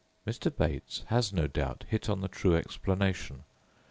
Mr. Bates has, no doubt, hit on the true explanation.